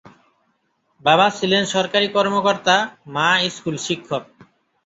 বাবা ছিলেন সরকারি কর্মকর্তা, মা স্কুল শিক্ষক।